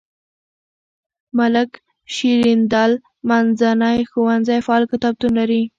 ملک شیریندل منځنی ښوونځی فعال کتابتون لري.